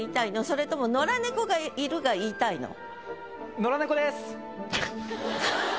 それとも「野良猫がいる」が言いたいの？